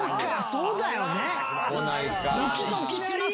そうだよね。